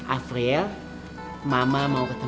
april mama mau ketemu